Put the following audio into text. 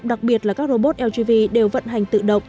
đặc biệt là các robot lgv đều vận hành tự động